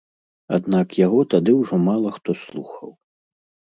Аднак яго тады ўжо мала хто слухаў.